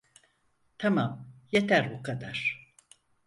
Tamam, yeter bu kadar.